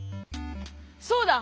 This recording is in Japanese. そうだ！